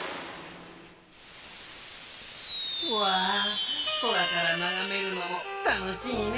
うわそらからながめるのもたのしいね。